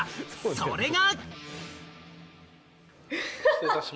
それが。